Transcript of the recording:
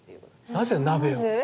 なぜ鍋を？